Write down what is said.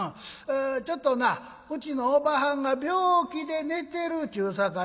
ちょっとなうちのおばはんが病気で寝てるちゅうさかい